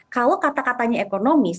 kalau kata katanya ekonomis